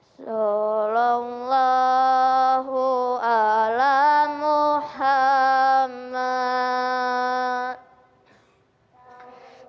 salam allah ala muhammad